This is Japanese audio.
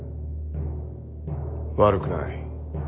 悪くない。